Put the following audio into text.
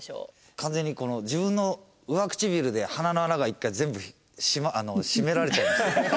完全に自分の上唇で鼻の穴が１回全部閉められちゃいました。